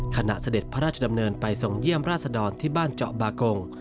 เสด็จพระราชดำเนินไปส่งเยี่ยมราชดรที่บ้านเจาะบากง